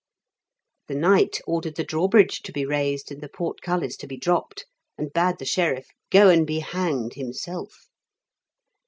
The knight ordered the drawbridge to be raised and the portcullis to be dropped, and bade the sheriff "go and be hanged" himself.